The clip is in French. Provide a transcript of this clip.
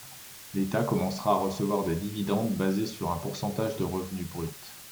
L'État commencera à recevoir des dividendes basé sur un pourcentage de revenus bruts.